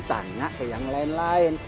tanya ke yang lain lain